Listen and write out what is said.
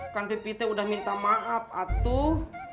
kan pipi teh udah minta maaf atuh